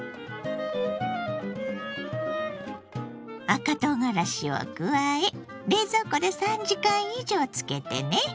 赤とうがらしを加え冷蔵庫で３時間以上漬けてね。